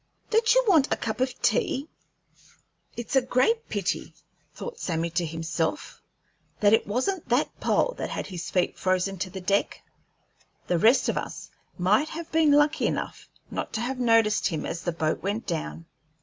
Don't you want a cup of tea?" "It's a great pity," thought Sammy to himself, "that it wasn't that Pole that had his feet frozen to the deck. The rest of us might have been lucky enough not to have noticed him as the boat went down."